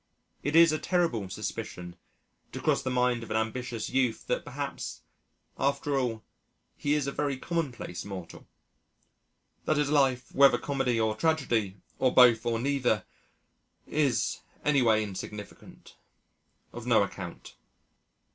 It is a terrible suspicion to cross the mind of an ambitious youth that perhaps, after all, he is a very commonplace mortal that his life, whether comedy or tragedy, or both, or neither, is any way insignificant, of no account.